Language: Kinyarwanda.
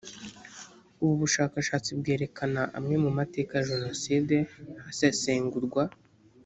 ubu bushakashatsi bwerekana amwe mu mateka ya jenoside hasesengurwa